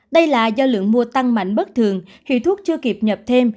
đây là do lượng mua tăng mạnh bất thường hiệu thuốc chưa kịp nhập thêm